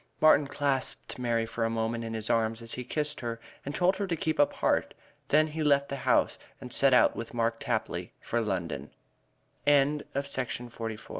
Martin clasped Mary for a moment in his arms as he kissed her and told her to keep up heart. Then he left the house and set out with Mark Tapley for London. V OLD CHUZZLEWIT'S